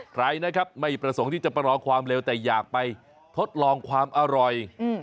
ใครนะครับไม่ประสงค์ที่จะประลองความเร็วแต่อยากไปทดลองความอร่อย